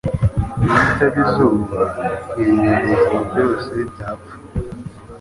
Iyo itaba izuba, ibinyabuzima byose byapfa.